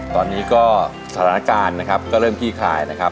ตอนนี้ก็สถานการณ์นะครับก็เริ่มขี้คายนะครับ